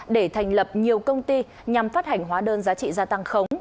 để thành lập nhiều công ty nhằm phát hành hóa đơn giá trị gia tăng khống